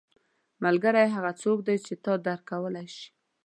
• ملګری هغه څوک دی چې تا درک کولی شي.